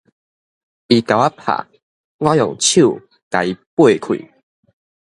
伊共我拍，我用手共伊掰開